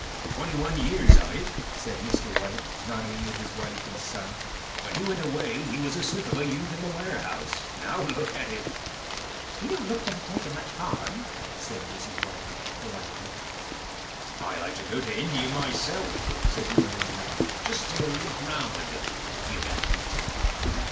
"Twenty one years of it," said Mr. White, nodding at his wife and son. "When he went away he was a slip of a youth in the warehouse. Now look at him." "He don't look to have taken much harm," said Mrs. White, politely. "I'd like to go to India myself," said the old man, "just to look round a bit, you know."